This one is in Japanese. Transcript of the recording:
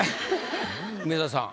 梅沢さん